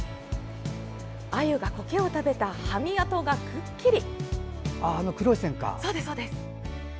アユがコケを食べたはみ跡がくっきり。